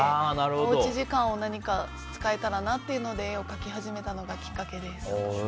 おうち時間を何か使えたらなというので絵を描き始めたのがきっかけです。